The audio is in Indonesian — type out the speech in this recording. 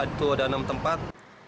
itu ada enam tempat